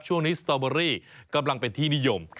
ช่วงนี้สตอเบอร์รี่กำลังเป็นที่นิยม